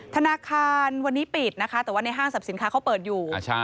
ธนาคารวันนี้ปิดนะคะแต่ว่าในห้างสรรพสินค้าเขาเปิดอยู่